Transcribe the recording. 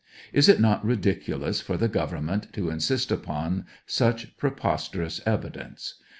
Is it not ridiculous for the government to insist upon such preposterous evidence